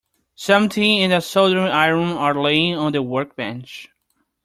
Some tin and a soldering iron are laying on the workbench.